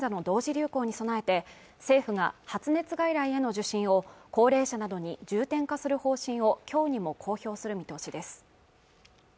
流行に備えて政府が発熱外来への受診を高齢者などに重点化する方針をきょうにも公表する見通しです